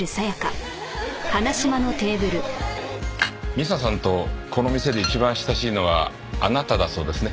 美沙さんとこの店で一番親しいのはあなただそうですね。